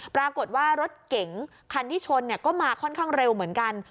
ปรากฏว่ารถเก๋งคันที่ชนก็มาค่อนข้างเร็วเหมือนกัน